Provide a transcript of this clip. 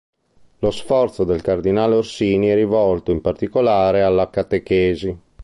Lo sforzo del cardinale Orsini è rivolto in particolare alla catechesi.